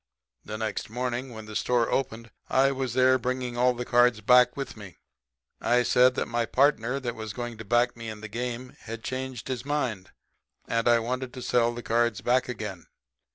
The next morning when the store opened I was there bringing all the cards back with me. I said that my partner that was going to back me in the game had changed his mind; and I wanted to sell the cards back again.